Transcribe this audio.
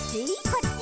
「こっち」